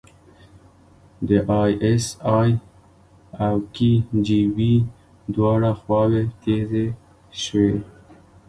د ای اس ای او کي جی بي دواړه خواوې تیزې شوې.